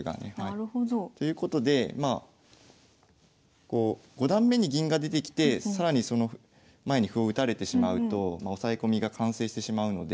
なるほど。ということでまあ５段目に銀が出てきて更にその前に歩を打たれてしまうと押さえ込みが完成してしまうので。